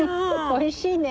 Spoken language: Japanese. おいしいね。